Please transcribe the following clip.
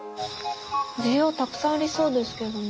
需要たくさんありそうですけどね。